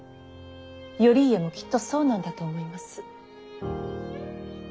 頼家もきっとそうなんだと思います。